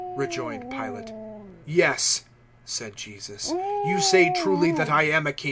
rejoined Pilate. "Yes," said Jesus, "you say truly that I am a king.